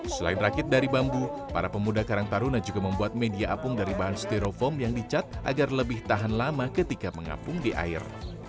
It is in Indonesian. selain rakit dari bambu para pemuda karang taruna juga membuat media apung dari bahan stereofoam yang dicat agar lebih tahan lama ketika mengapung di air